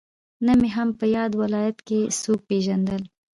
نه مې هم په ياد ولايت کې څوک پېژندل.